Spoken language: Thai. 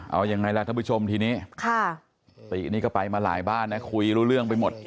เอายังไงล่ะท่านผู้ชมทีนี้ค่ะตินี่ก็ไปมาหลายบ้านนะคุยรู้เรื่องไปหมด